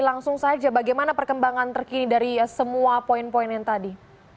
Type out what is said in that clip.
langsung saja bagaimana perkembangan terkini dari semua poin poin yang tadi